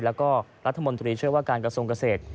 แล้วก็รัฐมนตรีเชื่อว่าการกระทรวงเกษตร